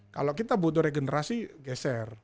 kalau kita butuh regenerasi geser